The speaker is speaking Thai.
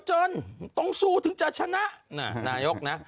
จนต้องสู้ถึงจะชนะนายกนะ